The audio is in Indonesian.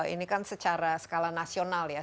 ini kan secara skala nasional ya